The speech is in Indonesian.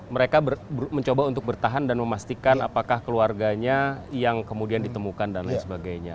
mereka mencoba untuk bertahan dan memastikan apakah keluarganya yang kemudian ditemukan dan lain sebagainya